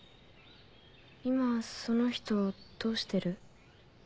今その人どうしてる？